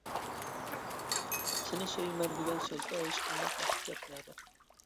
«سېنى سۆيىمەن» دېگەن سۆزگە ھېچقانداق ۋاقىت كەتمەيدۇ.